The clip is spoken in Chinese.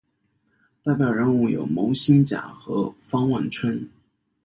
代表人物有牟兴甲和方万春。